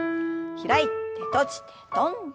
開いて閉じて跳んで。